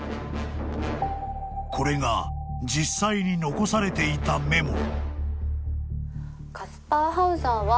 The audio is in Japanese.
［これが実際に残されていたメモ］